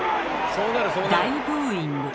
大ブーイング。